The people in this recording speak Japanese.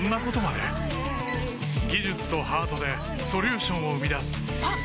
技術とハートでソリューションを生み出すあっ！